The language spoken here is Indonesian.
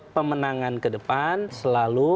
pemenangan ke depan selalu